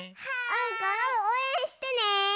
おうかをおうえんしてね！